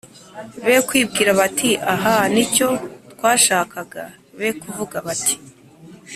Be kwibwira bati”ahaa ni cyo twashakaga”, be kuvuga bati